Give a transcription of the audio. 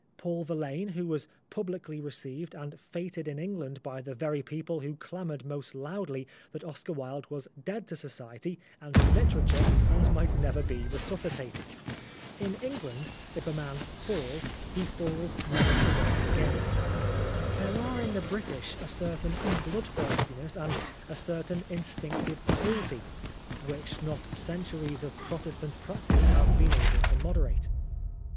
Paul Verlaine, who was publicly received and feted in England by the very people who clamoured most loudly that Oscar Wilde was dead to Society and to literature, and might never be resuscitated ! In England, if a man fall, he falls never to rise again. There are in the British a certain bloodthirstiness and a certain in stinctive cruelty, which not centuries of 218 Oscar Wilde Protestant practice have been able to moderate.